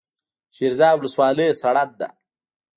شیرزاد ولسوالۍ سړه ده؟